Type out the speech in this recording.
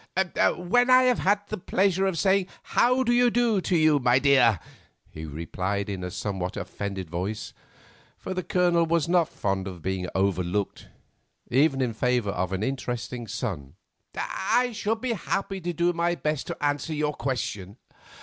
"When I have had the pleasure of saying, How do you do to you, my dear," he replied in a somewhat offended voice—for the Colonel was not fond of being overlooked, even in favour of an interesting son—"I shall be happy to do my best to answer your question."